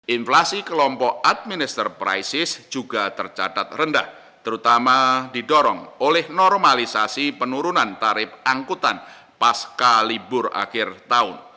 inflasi kelompok administer prices juga tercatat rendah terutama didorong oleh normalisasi penurunan tarif angkutan pasca libur akhir tahun